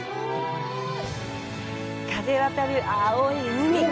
風渡る青い海。